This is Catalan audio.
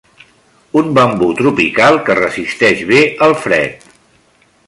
Un bambú tropical que resisteix bé el fred.